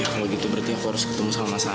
kalau gitu berarti aku harus ketemu sama mas agus